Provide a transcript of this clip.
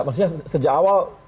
maksudnya sejak awal